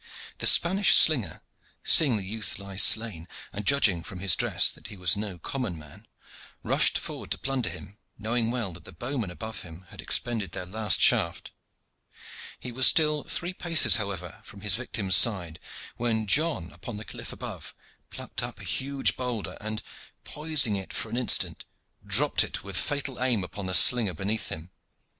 The Spanish slinger, seeing the youth lie slain, and judging from his dress that he was no common man, rushed forward to plunder him, knowing well that the bowmen above him had expended their last shaft. He was still three paces, however, from his victim's side when John upon the cliff above plucked up a huge boulder, and, poising it for an instant, dropped it with fatal aim upon the slinger beneath him.